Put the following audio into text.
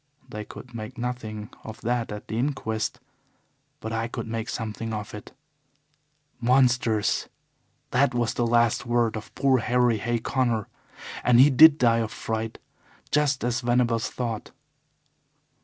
They could make nothing of that at the inquest. But I could make something of it. Monsters! That was the last word of poor Harry Hay Connor. And he DID die of fright, just as Venables thought.